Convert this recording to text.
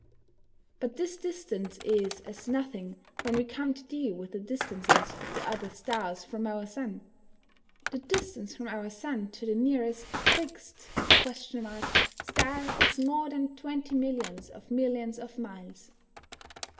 But this distance is as nothing when we come to deal with the distances of the other stars from our Sun. The distance from our Sun to the nearest fixed (?) star is more than 20 millions of millions of miles.